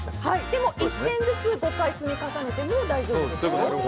でも１点ずつ５回積み重ねても大丈夫ですよ。